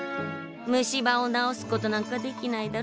虫歯を治すことなんかできないだろ。